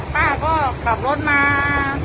ป้าก็ขับรถมา